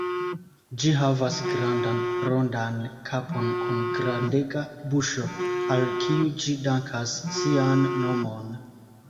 Ĝi havas grandan, rondan kapon kun grandega buŝo, al kiu ĝi dankas sian nomon.